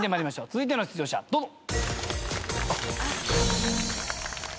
続いての出場者どうぞ。